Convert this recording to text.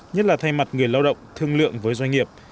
nhất là thay mặt người lao động thương lượng với doanh nghiệp